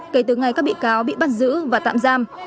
kể từ ngày các bị cáo bị bắt giữ và tạm giam